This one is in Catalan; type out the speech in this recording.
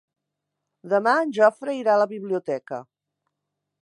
Demà en Jofre irà a la biblioteca.